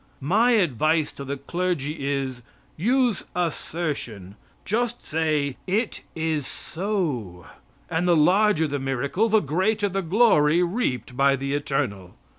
My advice to the clergy is, use assertion; just say "it is so," and the larger the miracle the greater the glory reaped by the eternal.